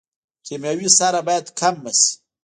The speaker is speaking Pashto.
کیمیاوي سره باید کمه شي